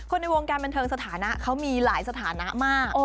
ในวงการบันเทิงสถานะเขามีหลายสถานะมาก